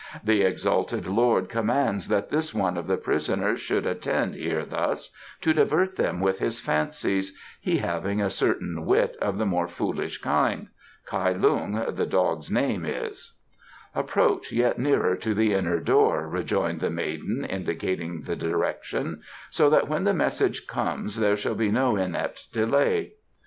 "The exalted lord commands that this one of the prisoners should attend here thus, to divert them with his fancies, he having a certain wit of the more foolish kind. Kai Lung, the dog's name is." "Approach yet nearer to the inner door," enjoined the maiden, indicating the direction; "so that when the message comes there shall be no inept delay."